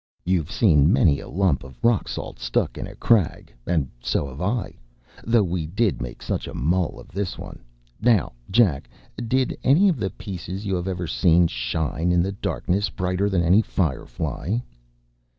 You’ve seen many a lump of rock salt stuck in a crag, and so have I, though we did make such a mull of this one. Now, Jack, did any of the pieces you have ever seen shine in the darkness brighter than any fire fly?